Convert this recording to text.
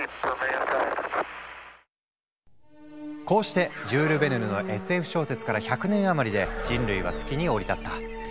こうしてジュール・ヴェルヌのＳＦ小説から１００年余りで人類は月に降り立った。